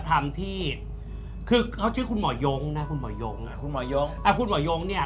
สมัยนั้นไง